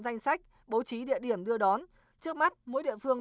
danh sách bố trí địa điểm đưa đón trước mắt mỗi địa phương